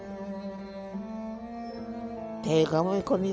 ทำงานชื่อนางหยาดฝนภูมิสุขอายุ๕๔ปี